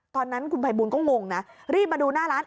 ตอนนั้นคุณภัยบูลก็งงนะรีบมาดูหน้าร้าน